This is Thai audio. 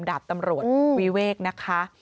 ดาบตำรวจวิเวกนะคะ